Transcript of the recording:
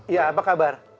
ya apa kabar